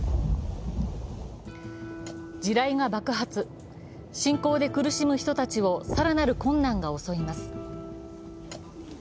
地雷が爆発、侵攻で苦しむ人たちを更なる困難が襲います。